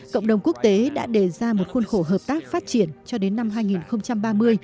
cộng đồng quốc tế đã đề ra một khuôn khổ hợp tác phát triển cho đến năm hai nghìn ba mươi